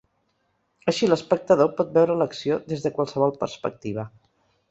Així, l’espectador pot veure l’acció des de qualsevol perspectiva.